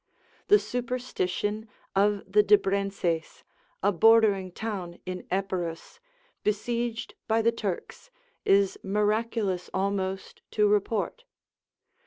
The superstition of the Dibrenses, a bordering town in Epirus, besieged by the Turks, is miraculous almost to report.